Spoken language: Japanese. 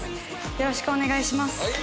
よろしくお願いします